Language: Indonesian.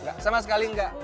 enggak sama sekali enggak